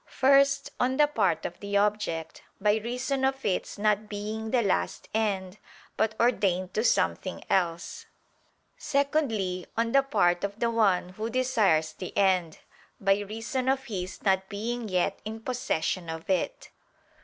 First on the part of the object; by reason of its not being the last end, but ordained to something else: secondly on the part of the one who desires the end, by reason of his not being yet in possession of it.